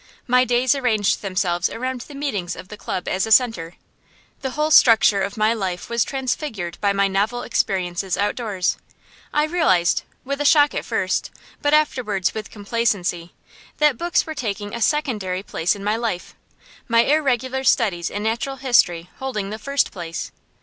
My days arranged themselves around the meetings of the club as a centre. The whole structure of my life was transfigured by my novel experiences outdoors. I realized, with a shock at first, but afterwards with complacency, that books were taking a secondary place in my life, my irregular studies in natural history holding the first place.